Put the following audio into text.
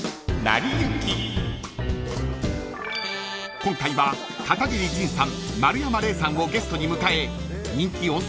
［今回は片桐仁さん丸山礼さんをゲストに迎え人気温泉